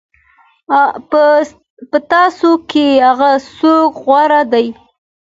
په تاسو کې هغه څوک غوره دی.